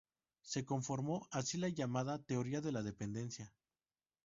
Se conformó así la llamada Teoría de la Dependencia.